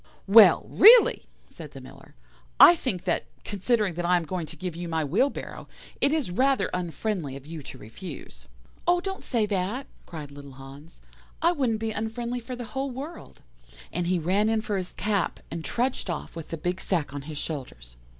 "'Well, really,' said the Miller, 'I think that, considering that I am going to give you my wheelbarrow, it is rather unfriendly of you to refuse.' "'Oh, don't say that,' cried little Hans, 'I wouldn't be unfriendly for the whole world'; and he ran in for his cap, and trudged off with the big sack on his shoulders.